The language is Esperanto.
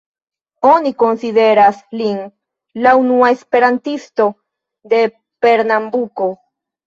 Oni konsideras lin la unua esperantisto de Pernambuko.